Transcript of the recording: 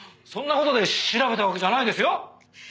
そんな事で調べたわけじゃないですよ。